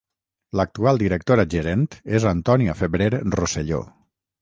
L'actual directora gerent és Antònia Febrer Rosselló.